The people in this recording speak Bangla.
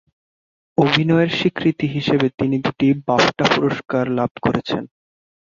অভিনয়ের স্বীকৃতি হিসেবে তিনি দুটি বাফটা পুরস্কার লাভ করেছেন।